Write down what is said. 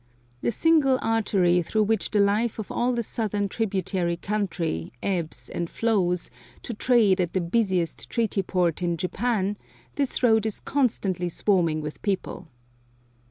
The single artery through which the life of all the southern tributary country ebbs and flows to trade at the busiest treaty port in Japan, this road is constantly swarming with people.